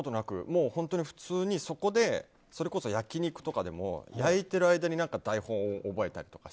もう本当に普通にそこで、それこそ焼き肉とかでも焼いている間に台本を覚えたりとか。